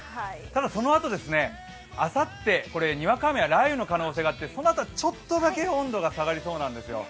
ただ、そのあと、あさってにわか雨や雷雨の可能性があって、そのあとはちょっとだけ温度が下がりそうなんですよ。